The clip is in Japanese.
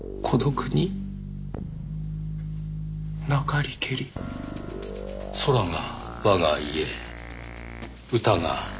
空が我が家歌が我が友。